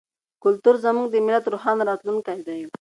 کلتور زموږ د ملت روښانه راتلونکی دی.